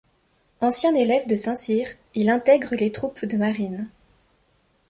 Ancien élève de Saint-Cyr, il intègre les troupes de marine.